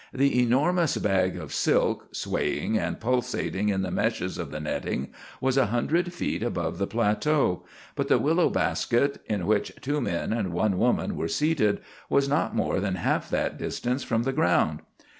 The enormous bag of silk, swaying and pulsating in the meshes of the netting, was a hundred feet above the plateau; but the willow basket, in which two men and one woman were seated, was not more than half that distance from the ground.